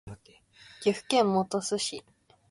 岐阜県本巣市